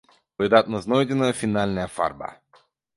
Выдатна знойдзеная фінальная фарба.